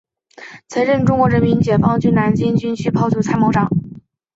曾任中国人民解放军南京军区炮兵参谋长。